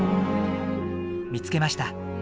見つけました。